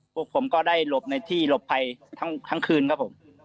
พวกผมก็ได้หลบในที่หลบภัยทั้งคืนครับผม